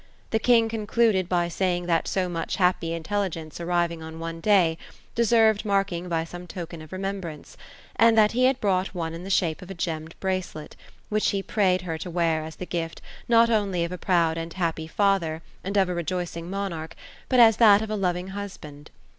The king concluded, by saying that so much happy intelligence arrtving on one day, deserved marking by some token of remembrance ; and that he bad brought one in the shape of a gemmed bracelet, which he prayed her to wear as the gift not only of a proud and happy father, and of a rejoic ing monarch, but as that of a loving husband.